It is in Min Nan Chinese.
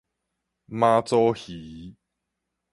媽祖魚